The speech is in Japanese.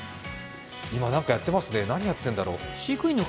今、何かやってますね、何やってるんだろう？